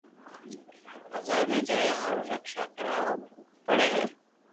بزار م جايا هارون رڪۮه ڪراوئ پڙو هي